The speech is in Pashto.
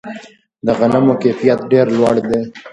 د غنمو کیفیت ډیر لوړ دی.